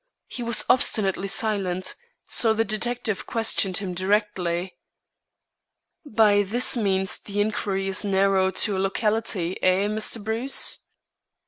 He was obstinately silent, so the detective questioned him directly. "By this means the inquiry is narrowed to a locality. Eh, Mr. Bruce?"